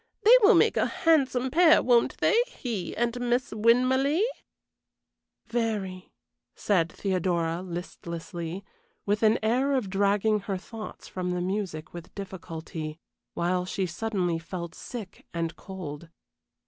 They will make a handsome pair, won't they he and Miss Winmarleigh?" "Very," said Theodora, listlessly, with an air of dragging her thoughts from the music with difficulty, while she suddenly felt sick and cold.